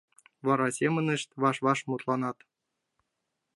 Вара семынышт ваш-ваш мутланат...